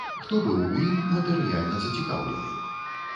Хто быў у ім матэрыяльна зацікаўлены?